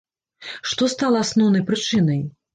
Што стала асноўнай прычынай?